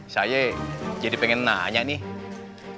saya jadi pengen nanya nih